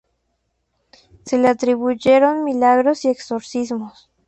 Se le atribuyeron milagros y exorcismos.